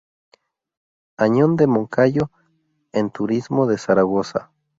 Añón de Moncayo en turismo de Zaragoza